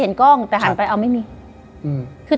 และยินดีต้อนรับทุกท่านเข้าสู่เดือนพฤษภาคมครับ